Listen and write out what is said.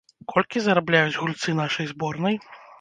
Колькі зарабляюць гульцы нашай зборнай?